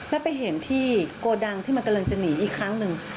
แล้วไปเห็นที่โกดังที่มันกำลังจะหนีอีกครั้งหนึ่ง